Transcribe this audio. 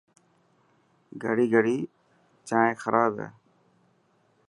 گڙي گڙي جائين خراب هي.